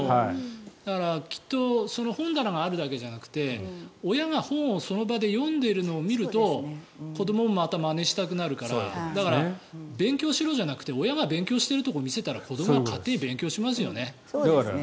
だから、きっとその本棚があるだけじゃなくて親が本をその場で読んでいるのを見ると子どももまたまねしたくなるからだから、勉強しろじゃなくて親が勉強してるところを見せたら子どもは勝手に勉強しますよね。